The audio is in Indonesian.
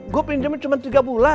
gue pinjaman cuma tiga bulan